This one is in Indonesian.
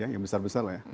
yang besar besar lah ya